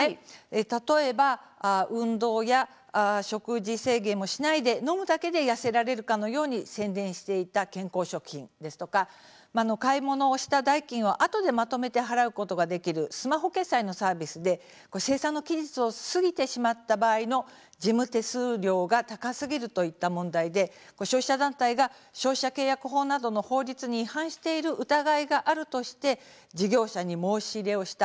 例えば運動や食事制限もしないで飲むだけで痩せられるかのように宣伝していた健康食品ですとか買い物をした代金をあとでまとめて払うことができるスマホ決済のサービスで精算の期日を過ぎてしまった場合の事務手数料が高すぎるといった問題で消費者団体が消費者契約法などの法律に違反している疑いがあるとして事業者に申し入れをした。